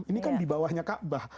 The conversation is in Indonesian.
ini kan dibawahnya ka'bah